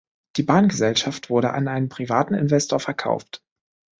Die Bahngesellschaft wurde an einen privaten Investor verkauft.